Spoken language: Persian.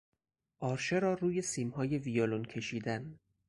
آرشه را روی سیمهای ویولن کشیدن